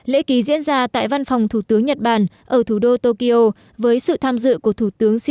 lễ ký diễn ra tại văn phòng thủ tướng nhật bản ở thủ đô tokyo với sự tham dự của thủ tướng